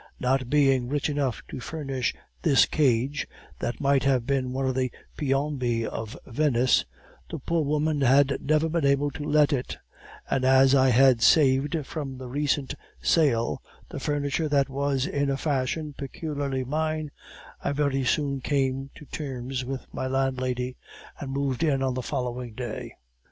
Not being rich enough to furnish this cage (that might have been one of the Piombi of Venice), the poor woman had never been able to let it; and as I had saved from the recent sale the furniture that was in a fashion peculiarly mine, I very soon came to terms with my landlady, and moved in on the following day.